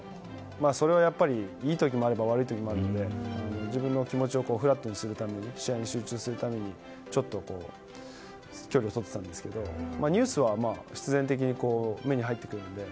それは、やっぱりいい時もあれば悪い時もあるので自分の気持ちをフラットにするために試合に集中するためにちょっと距離をとってたんですがニュースは、必然的に目に入ってくるので。